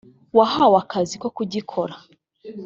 wahawe akazi ko kugikora